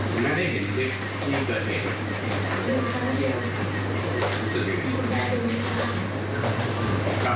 คุณแม่กำลังผิดชุดแหล่ะนะครับ